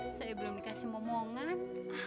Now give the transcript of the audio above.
saya belum dikasih omongan